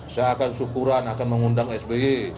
saya akan syukuran akan mengundang sby